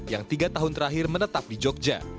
yang tiga tahun terakhir menetap di jogja